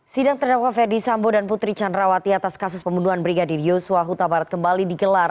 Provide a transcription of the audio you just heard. sidang terdakwa ferdi sambo dan putri candrawati atas kasus pembunuhan brigadir yosua huta barat kembali digelar